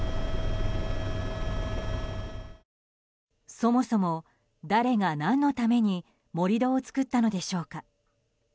そもそも誰が何のために盛り土を作ったのでしょうか？